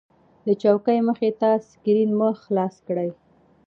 د چوکۍ مخې ته سکرین مې خلاص کړ.